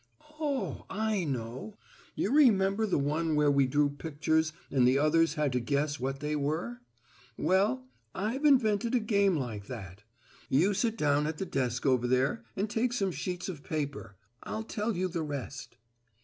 Oh, I know! You remember the one where we drew pictures and the others had to guess what they were? Well, I've invented a game like that. You sit down at the desk over there and take some sheets of paper. I'll tell you the rest."